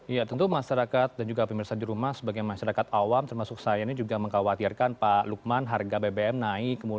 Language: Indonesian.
ya tentu masyarakat dan juga pemirsa di rumah sebagai masyarakat awam termasuk saya ini juga mengkhawatirkan pak lukman harga bbm naik